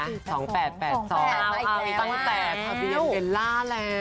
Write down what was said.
ตั้งแต่ทะเบียนเบลล่าแล้ว